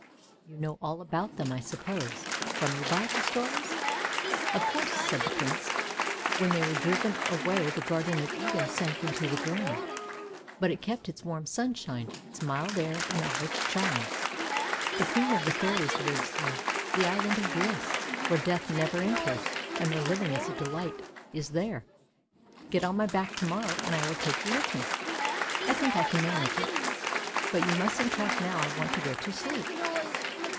You know all about them, I suppose, from your Bible stories? "" Of course," said the Prince. " When they were driven away the Garden of Eden sank into the ground, but it kept its warm sunshine, its mild air, and all its charms. The queen of the fairies lives there. The Island of Bliss, where death never enters, and where living is a delight, is there. Get on my back to morrow and I will take you with me; I think I can manage it! But you mustn't talk now, I want to go to sleep."